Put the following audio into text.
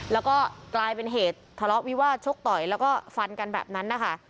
แล้วก็กลายเป็นเหตุทะเลาะวิวาสชกต่อยแล้วก็ฟันกันแบบนั้นนะคะ